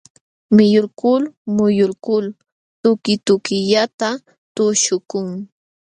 Miyulkul muyulkul tukitukillata tuśhukun.